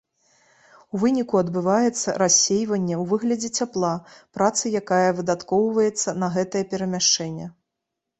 У выніку адбываецца рассейванне ў выглядзе цяпла працы, якая выдаткоўваецца на гэтае перамяшчэнне.